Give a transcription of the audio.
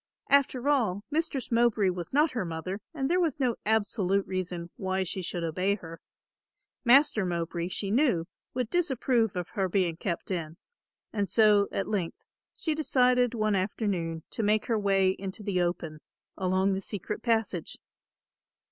After all, Mistress Mowbray was not her mother and there was no absolute reason why she should obey her. Master Mowbray, she knew, would disapprove of her being kept in, and so at length she decided one afternoon to make her way into the open along the secret passage.